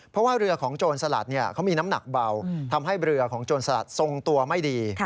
เพราะว่าเรือของโจรสลัดเขามีน้ำหนักเบาทำให้เรือของโจรสลัดทรงตัวไม่ดี